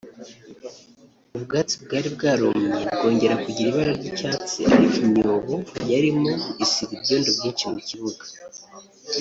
ubwatsi bwari bwarumye bwongera kugira ibara ry’icyatsi ariko imyobo yarimo isiga ibyondo byinshi mu kibuga